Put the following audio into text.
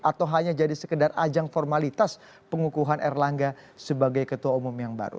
atau hanya jadi sekedar ajang formalitas pengukuhan erlangga sebagai ketua umum yang baru